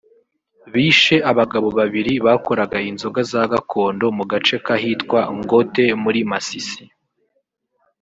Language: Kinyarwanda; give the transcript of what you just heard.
bishe abagabo babiri bakoraga inzoga za gakondo mu gace kahitwa Ngote muri Masisi